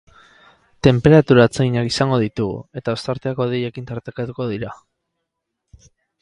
Tenperatura atseginak izango ditugu, eta ostarteak hodeiekin tartekatuko dira.